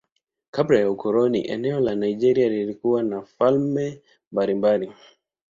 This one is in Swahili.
Kabla ya ukoloni eneo la Nigeria lilikuwa na falme mbalimbali.